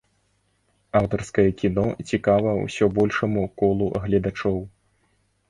Аўтарскае кіно цікава ўсё большаму колу гледачоў.